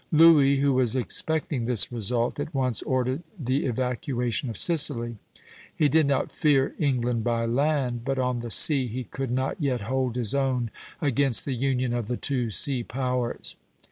Louis, who was expecting this result, at once ordered the evacuation of Sicily. He did not fear England by land, but on the sea he could not yet hold his own against the union of the two sea powers.